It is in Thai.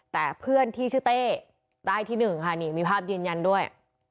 แต่เพื่อนที่ชื่อเต้ได้ที่หนึ่งค่ะนี่มีภาพยืนยันด้วย